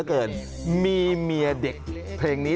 และก็มีการกินยาละลายริ่มเลือดแล้วก็ยาละลายขายมันมาเลยตลอดครับ